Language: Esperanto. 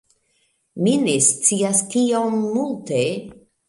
Mi ne scias kiom multe